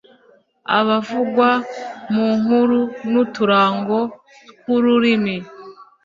abavugwa mu nkuru n’uturango tw’ururimi